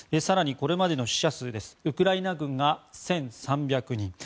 更に、これまでの死者数ウクライナ軍が１３００人。